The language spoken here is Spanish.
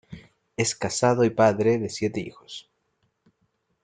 Es casado y padre de siete hijos.